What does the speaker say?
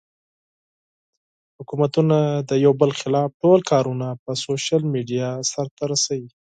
حکومتونه د يو بل خلاف ټول کارونه پۀ سوشل ميډيا سر ته رسوي